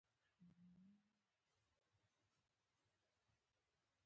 کله کله شیطاني اندیښنه دونه را باندي غالبه سي،